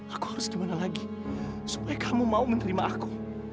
aku harus gimana lagi supaya kamu mau menerima aku